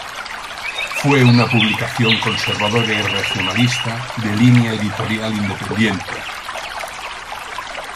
Fue una publicación conservadora y regionalista, de línea editorial independiente.